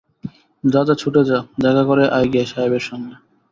যা যা, ছুটে যা, দেখা করে আয়গে সাহেবের সঙ্গে।